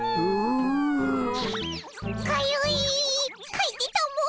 かいてたも！